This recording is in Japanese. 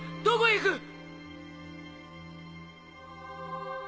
どこへ行く！